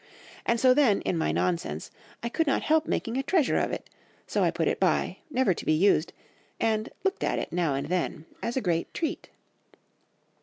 And so then, in my nonsense, I could not help making a treasure of it; so I put it by, never to be used, and looked at it now and then as a great treat.